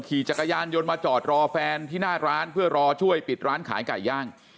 ขี่จักรยานยนต์มาจอดรอแฟนที่หน้าร้านเพื่อรอช่วยปิดร้านขายไก่ย่าง